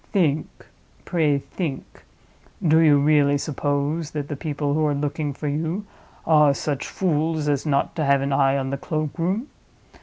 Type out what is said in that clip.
Think; pray think! Do you really suppose that the people who are looking for you are such fools as not to have an eye on the cloakroom?